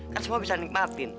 kan semua bisa nikmatin